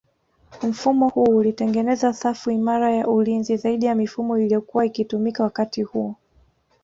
Mfumo huu ulitengeneza safu imara ya ulinzi zaidi ya mifumo iliyokua ikitumika wakati huo